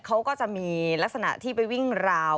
เขาก็จะมีลักษณะที่ไปวิ่งราว